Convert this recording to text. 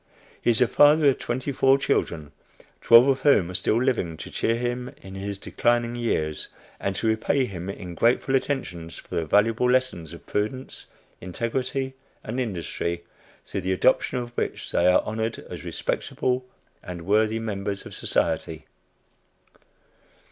He is the father of twenty four children, twelve of whom are still living, to cheer him in his declining years, and to repay him in grateful attentions for the valuable lessons of prudence, integrity, and industry through the adoption of which they are honored as respectable and worthy members of society.